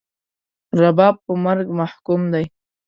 رباب په مرګ محکوم دی